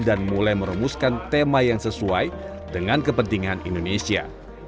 dan mulai merumuskan tema yang sesuai dengan kepentingan indonesia